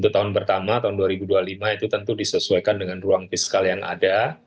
dua puluh tahun pertama tahun dua ribu dua puluh lima itu tentu disesuaikan dengan ruang fiskal yang ada